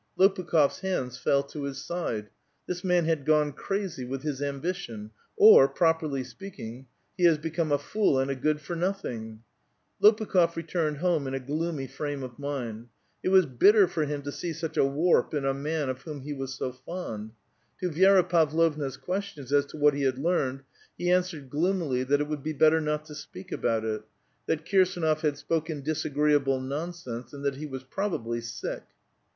Lopukhdfs hands fell to his side. This man has gone crazy with his ambition ; or, properly speaking, he has be come a fool and a good for nothing ! Lopukh6f returned home in a gloomy frame of mind ; it was bitter for him to see such a warp in a man of whom he was so fond. To Vi6ra Pavlovna's questions as to what he had learned, he answered gloomily that it would be better not to speak about it; that Kirsdnof had spoken disagreeable nonsense, and that he was probably sick.